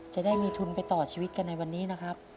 จะได้มีทุนไปต่อชีวิตกันในวันนี้นะครับ